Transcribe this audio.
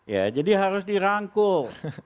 ya jadi harus dirangkul